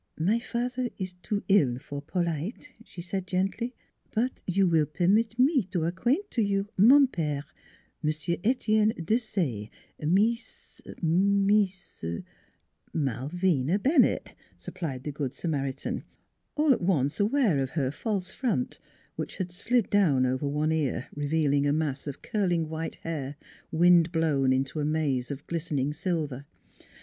" My fat'er ees too ill for polite," she said gently; " but you will permit me to acquaint to you mon pere, M'sieu' Etienne Desaye, Mees Mees "" Malvina Bennett," supplied the Good Samar NEIGHBORS 49 itan, all at once aware of her false front, which had slid down over one ear, revealing a mass of curling white hair, wind blown into a maze of glistening silver.